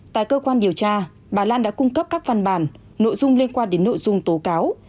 tại cơ quan điều tra bà lan đã cung cấp các văn bản nội dung liên quan đến nội dung tố cáo